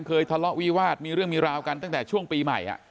ทะเลาะวิวาสมีเรื่องมีราวกันตั้งแต่ช่วงปีใหม่